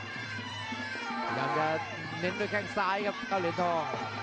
พยายามจะเน้นด้วยแข้งซ้ายครับเก้าเหรียญทอง